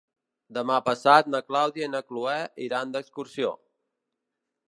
Demà passat na Clàudia i na Cloè iran d'excursió.